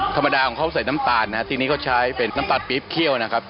ธรรมดาของเขาใส่น้ำตาลนะครับที่นี่เขาใช้เป็นน้ำตาลปริบเคี่ยวนะครับ